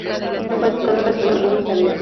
Fue educado en la escuela pública de St.